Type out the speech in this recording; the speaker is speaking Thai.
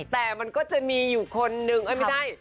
แต่มันก็จะมีอยู่คนนึงไม่ใช่